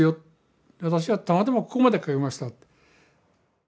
私はたまたまここまで書きました。